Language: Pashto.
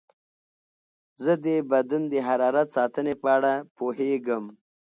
زه د بدن د حرارت ساتنې په اړه پوهېږم.